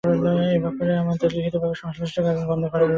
এ ব্যাপারে জেলা প্রশাসক লিখিতভাবে সংশ্লিষ্টদের কাজ বন্ধ রাখার নির্দেশ দেন।